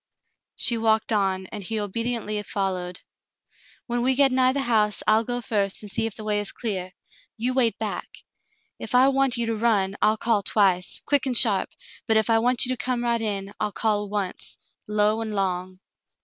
She walked on, and he obediently followed. When we get nigh the house, I'll go first and see if the way is clear. You wait back. If I want you to run, I'll call twice, quick and sharp, but if I want you to come right in, I'll call once, low and long."